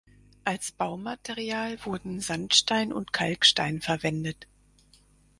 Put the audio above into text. Als Baumaterial wurden Sandstein und Kalkstein verwendet.